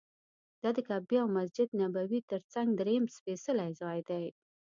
دا د کعبې او مسجد نبوي تر څنګ درېیم سپېڅلی ځای دی.